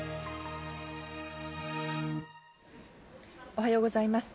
おはようございます。